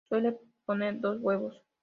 Suele poner dos huevos.